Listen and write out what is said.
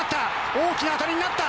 大きな当たりになった！